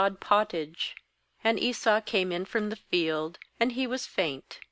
29 GENESIS sod pottage; and Esau came in from the field, and he was faint.